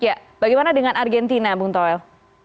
ya bagaimana dengan argentina bung toel